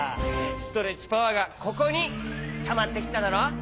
ストレッチパワーがここにたまってきただろう？